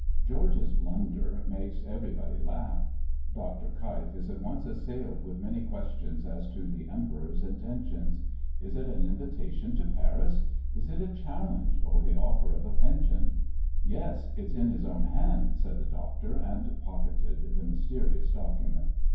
George's blunder makes everybody laugh. Dr. Keif is at once assailed with many questions as to the "Emperor's" intentions. "Is it an invitation to Paris? Is it a challenge? or the offer of a pension?" "Yes, it's in his own hand," said the Doctor, and pocketed the mysterious document.